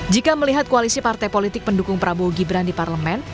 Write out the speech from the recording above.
jika melihat koalisi partai politik pendukung prabowo gibran di parlemen